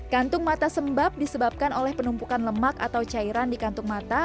kantung mata sembab disebabkan oleh penumpukan lemak atau cairan di kantung mata